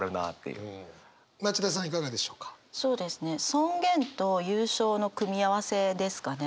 「尊厳」と「優勝」の組み合わせですかね。